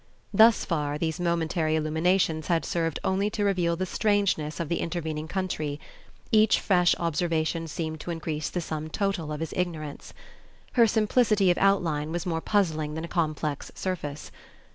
Thus far these momentary illuminations had served only to reveal the strangeness of the intervening country: each fresh observation seemed to increase the sum total of his ignorance. Her simplicity of outline was more puzzling than a complex surface.